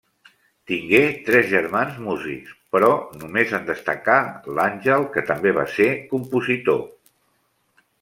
Tingué tres germans músics, però només en destacà l'Àngel, que també va ser compositor.